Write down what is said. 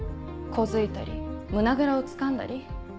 小突いたり胸ぐらをつかんだり。